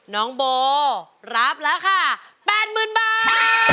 น้องโบร้องรับราคา๘๐๐๐๐บาท